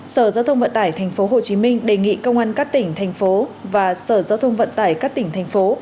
sở giao thông vận tải tp hcm đề nghị công an các tỉnh thành phố và sở giao thông vận tải các tỉnh thành phố